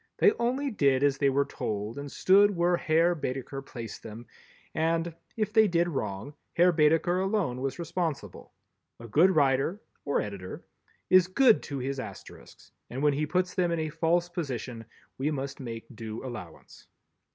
They only did as they were told and stood where Herr Baedeker placed them and, if they did wrong, Herr Baedeker alone was responsible. A good writer—or editor—is good to his Asterisks, and when he puts them in a false position we must make due allowance.